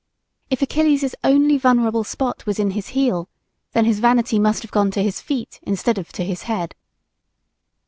If Achilles' only vulnerable spot was in his heel, then his vanity must have gone to his feet, instead of to his head.